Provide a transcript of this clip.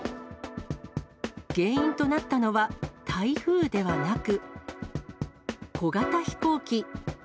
原因となったのは台風ではなく、小型飛行機。